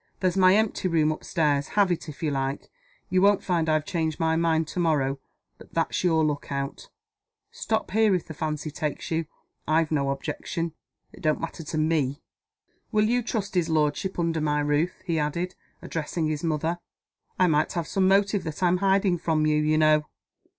"There's my empty room up stairs. Have it, if you like. You won't find I've changed my mind to morrow but that's your look out. Stop here, if the fancy takes you. I've no objection. It don't matter to Me. Will you trust his lordship under my roof?" he added, addressing his mother. "I might have some motive that I'm hiding from you, you know!"